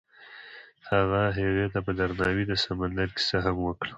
هغه هغې ته په درناوي د سمندر کیسه هم وکړه.